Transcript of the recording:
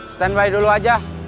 stand by dulu aja